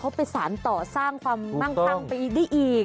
เขาไปสารต่อสร้างความมั่งคั่งไปได้อีก